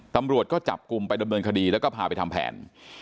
ตำรวจก็จับกลุ่มไปดำเนินคดีแล้วก็พาไปทำแผน